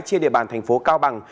trên địa bàn thành phố cao bằng